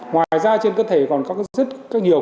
ngoài ra trên cơ thể còn có rất nhiều